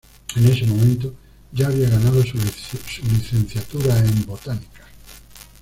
En ese momento, ya había ganado su licenciatura en botánica.